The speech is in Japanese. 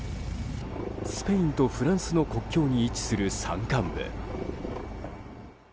スペインとフランスの国境に位置する山間部。